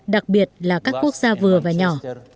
đặc biệt là các quốc gia vừa và nhỏ